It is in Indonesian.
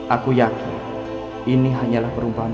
aku yakin ini hanyalah perubahan